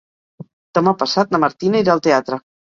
Demà passat na Martina irà al teatre.